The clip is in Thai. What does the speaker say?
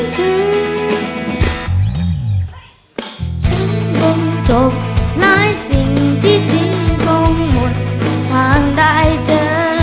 ฉันบ้างจบหลายสิ่งที่ทิ้งต้องหมดทางได้เจอ